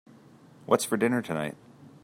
What's for dinner tonight?